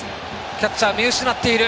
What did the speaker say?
キャッチャー、見失っている。